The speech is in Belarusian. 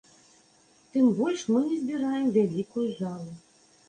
Тым больш мы не збіраем вялікую залу.